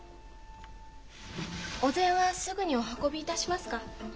お膳はすぐにお運び致しますか？